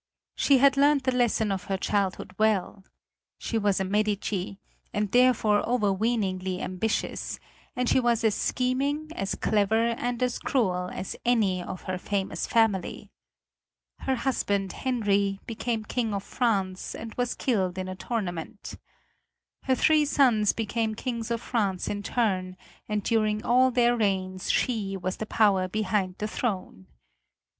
She had learned the lesson of her childhood well. She was a Medici, and therefore overweeningly ambitious, and she was as scheming, as clever, and as cruel as any of her famous family. Her husband, Henry, became King of France, and was killed in a tournament. Her three sons became kings of France in turn, and during all their reigns she was the power behind the throne.